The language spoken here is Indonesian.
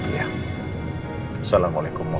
iya salamualaikum mbak